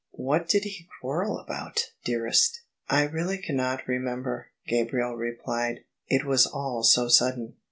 "What did he quarrel about, dearest?" "I really cannot remember," Gabriel replied: "it was all so sudden.